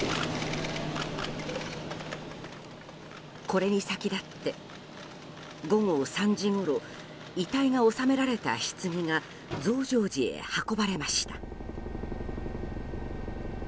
これに先立って、午後３時ごろ遺体が納められたひつぎが増上寺へ運ばれました。